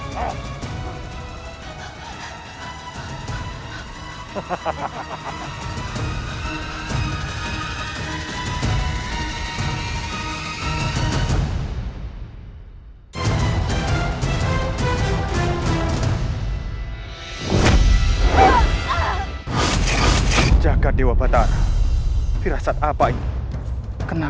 mau ke mana kaunya sepengarang